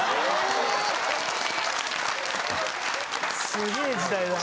・すげえ時代だな。